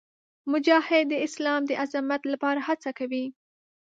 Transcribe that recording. مجاهد د اسلام د عظمت لپاره هڅه کوي.